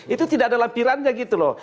itu tidak ada lampirannya gitu loh